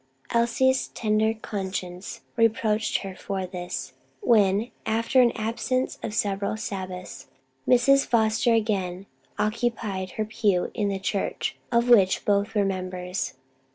Elsie's tender conscience reproached her for this, when after an absence of several Sabbaths Mrs. Foster again occupied her pew in the church of which both were members.